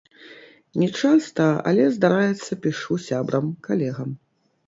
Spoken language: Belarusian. Не часта, але, здараецца, пішу сябрам, калегам.